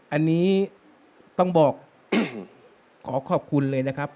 อันนี้ต้องบอกขอขอบคุณเลยนะครับ